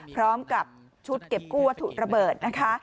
พร้อมกับชุดเก็บกู้วัตถุระเบิดนะคะ